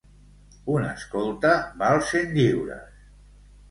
Un escolta val cent lliures.